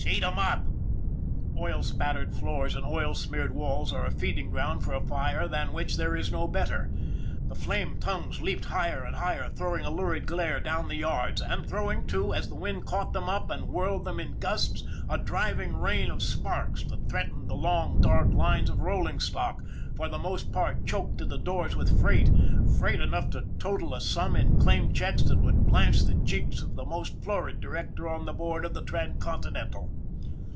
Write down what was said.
Eat 'em up !" Oil spattered floors and oil smeared walls are a feed ing ground for a fire than which there is no better. The flame tongues leaped higher and higher throwing a lurid glare down the yards, and throwing, too, as the wind caught them up and whirled them in gusts, a driving rain of sparks that threatened the long, dark lines of rolling stock, for the most part choked to the doors with freight freight enough to total a sum in claim checks that would blanch the cheeks of the most florid director on the board of the Transcontin ental.